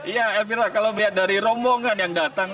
ya elvira kalau melihat dari rombongan yang datang